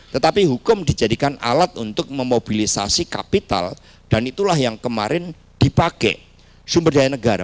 tetapi hukum dijadikan alat untuk memobilisasi kapital dan itulah yang kemarin dipakai sumber daya negara